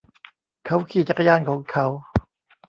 เขาขี่จักรยานของเขา